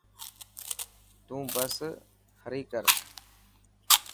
تون بس هري ڪر.